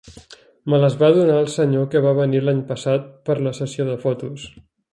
Me les va donar el senyor que va venir l'any passat per la sessió de fotos.